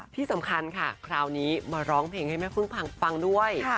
ที่สำคัญค่ะคราวนี้มาร้องเพลงให้แม่พึ่งฟังด้วย